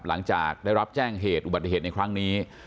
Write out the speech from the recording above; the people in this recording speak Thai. หลังจากได้รับแจ้งเหตุอุบัติเหตุในครั้งนี้